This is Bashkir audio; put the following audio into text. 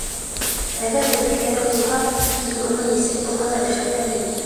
Әгәр ҙә бик кәрәк булһа, мин уны нисек булһа ла эшләтәм инде.